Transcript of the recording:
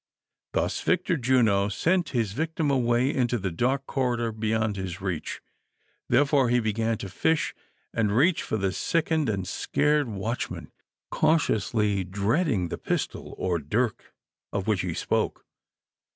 Thus Victor Juno sent his victim away into the dark corridor beyond his reach ; therefore he began to fish and reach for the sickened and scared watchman cautiously, dreading the pistol or dirk of which he spoke.